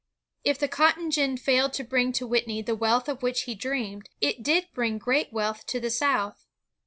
If the cotton gin failed to bring to Whitney the wealth of which he dreamed, it did bring great wealth to the South.